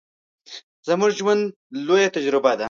زموږ ژوند، لويه تجربه ده.